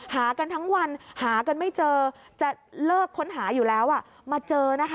หากันทั้งวันหากันไม่เจอจะเลิกค้นหาอยู่แล้วมาเจอนะคะ